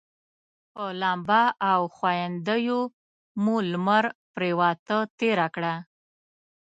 په لمبا او ښویندیو مو لمر پرېواته تېره کړه.